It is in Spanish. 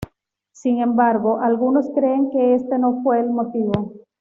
Sin embargo, algunos creen que este no fue el motivo.